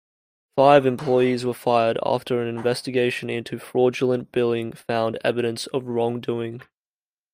Five employees were fired after an investigation into fraudulent billing found evidence of wrongdoing.